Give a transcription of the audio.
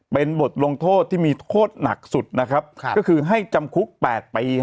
เป็นบทลงโทษที่มีโทษหนักสุดนะครับก็คือให้จำคุก๘ปี